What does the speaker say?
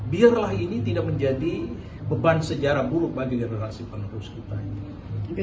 biarlah ini tidak menjadi beban sejarah buruk bagi generasi penerus kita ini